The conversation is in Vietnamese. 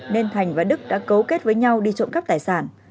nên thành và đức đã cấu kết với nhau đi trộm cắp tài sản